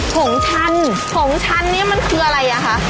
ผงชันผงชันนี้มันคืออะไรอ่ะคะ